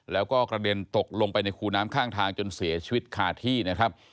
แล้วก็กระเด็นตกลงไปในคูน้ำข้างทางจนเสียชีวิตคาที่นะครับ